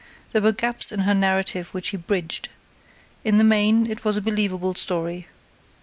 There were gaps in her narrative which he bridged. In the main it was a believable story.